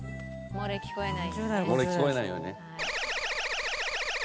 漏れ聞こえないようにね。